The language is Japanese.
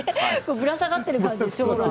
ぶら下がってる感じですね。